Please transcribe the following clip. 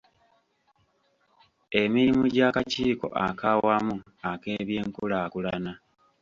Emirimu gy'akakiiko ak'awamu ak'ebyenkulaakulana.